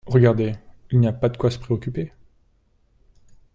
Regardez. Il n'y a pas de quoi se préoccuper.